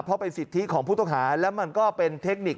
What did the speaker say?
เพราะเป็นสิทธิของผู้ต้องหาแล้วมันก็เป็นเทคนิค